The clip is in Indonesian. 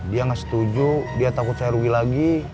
dia nggak setuju dia takut saya rugi lagi